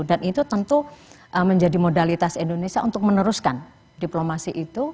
dan itu tentu menjadi modalitas indonesia untuk meneruskan diplomasi itu